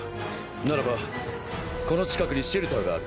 ならばこの近くにシェルターがある。